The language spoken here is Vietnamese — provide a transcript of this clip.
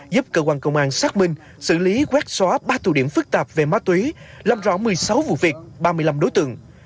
giúp cơ quan công an xác minh xử lý quét xóa ba thủ điểm phức tạp về ma túy làm rõ một mươi sáu vụ việc ba mươi năm đối tượng